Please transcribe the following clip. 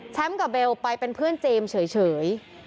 กับเบลไปเป็นเพื่อนเจมส์เฉย